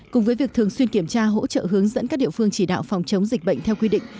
cùng với việc thường xuyên kiểm tra hỗ trợ hướng dẫn các địa phương chỉ đạo phòng chống dịch bệnh theo quy định